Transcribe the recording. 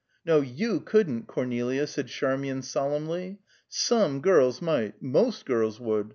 "No, you couldn't, Cornelia," said Charmian solemnly. "Some girls might; most girls would.